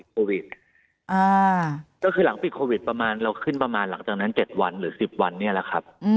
โควิดก็คือหลังปิดโควิดประมาณเราขึ้นประมาณหลังจากนั้น๗วันหรือ๑๐วันเนี่ยแหละครับ